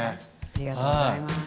ありがとうございます。